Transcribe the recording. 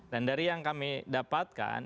dan dari yang kami dapatkan